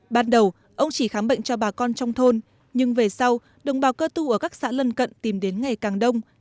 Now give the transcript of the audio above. ban đầu ông chỉ khám bệnh cho bà con trong thôn nhưng về sau đồng bào cơ tu ở các xã lân cận tìm đến ngày càng đông